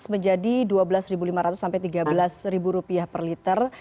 menjadi rp dua belas lima ratus sampai rp tiga belas per liter